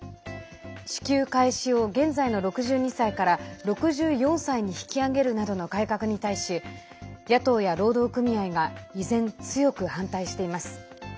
支給開始を現在の６２歳から６４歳に引き上げるなどの改革に対し野党や労働組合が依然、強く反対しています。